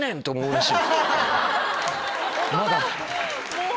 もう。